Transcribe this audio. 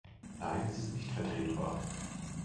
Nein, es ist nicht vertretbar!